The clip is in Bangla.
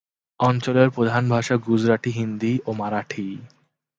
অঞ্চলের প্রধান ভাষা গুজরাটি, হিন্দি ও মারাঠি।